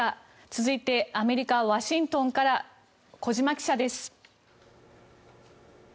続いてアメリカ・ワシントンから小島記者です。